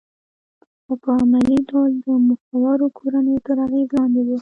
خو په عملي ډول د مخورو کورنیو تر اغېز لاندې وه